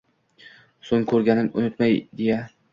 So‘ng ko‘rganim unutmay deya